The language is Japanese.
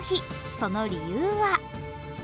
その理由は？